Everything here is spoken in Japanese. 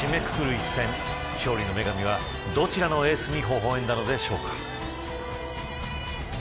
一戦勝利の女神は、どちらのエースに微笑んだのでしょうか。